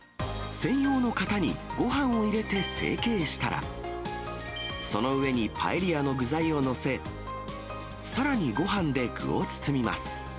専用の型にごはんを入れて成形したら、その上にパエリアの具材を載せ、さらにごはんで具を包みます。